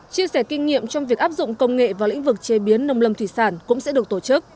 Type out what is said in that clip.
chia sẻ kinh nghiệm trong việc áp dụng công nghệ vào lĩnh vực chế biến nông lâm thủy sản cũng sẽ được tổ chức